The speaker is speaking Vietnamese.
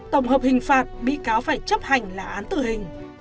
tổng hợp hình phạt bị cáo phải chấp hành là án tử hình